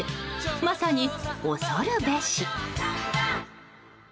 まさに恐るべし。